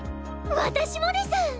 私もです！